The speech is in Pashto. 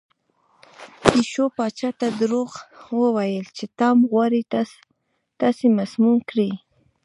پیشو پاچا ته دروغ وویل چې ټام غواړي تاسې مسموم کړي.